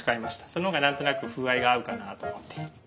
その方が何となく風合いが合うかなと思って。